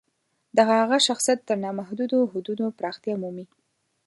د هغه شخصیت تر نامحدودو حدونو پراختیا مومي.